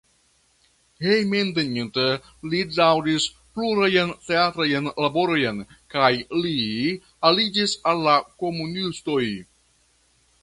Hejmenveninta li daŭris plurajn teatrajn laborojn kaj li aliĝis al la komunistoj.